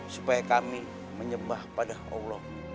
supaya kami menyembah pada allah